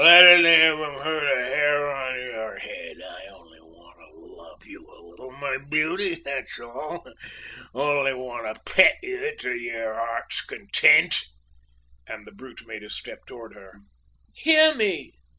let any of 'em hurt a hair of your head! I only want to love you a little, my beauty! that's all! only want to pet you to your heart's content;" and the brute made a step toward her. "Hear me!"